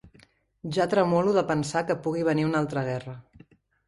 Ja tremolo de pensar que pugui venir una altra guerra.